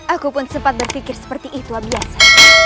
aku pun sempat berpikir seperti itu abiasa